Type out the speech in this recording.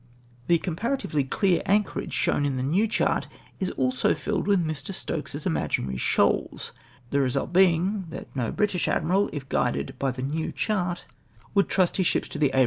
The comparatively clear anchorage shown in the new chart is also filled with ]\Ii\ Stokes's imaginary shoals ! tlie result being that no British admiral, if guided ])y tlie new chart, ^oiistnictedlTyMTairfax iaBlimpL ^. in Ai.